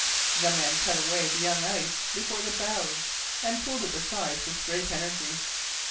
The men cut away the young ice before the bows and pulled it aside with great energy.